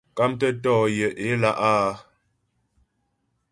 Mkámtə́ tɔ̌ yaə̌ ě lá' a.